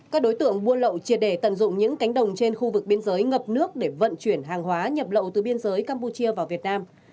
các đối tượng buôn lậu triệt đề tận dụng những cánh đồng trên khu vực biên giới ngập nước để vận chuyển hàng hóa nhập lậu từ biên giới campuchia vào việt nam